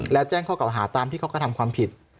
แล้วแจ้งเขากับหาตามที่เขาก็ทำความผิด